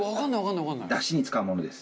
出汁に使うものです。